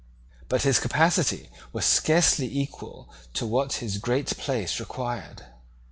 But his capacity was scarcely equal to what his great place required.